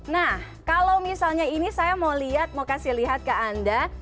nah kalau misalnya ini saya mau lihat mau kasih lihat ke anda